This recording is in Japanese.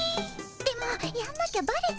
でもやんなきゃバレちゃう。